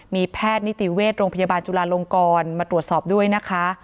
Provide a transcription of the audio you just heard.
มีแพทย์นิติเวชโรงพยาบาลจุลาลงกรมาตรวจสอบด้วยนะคะ